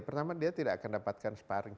pertama dia tidak akan dapatkan sparring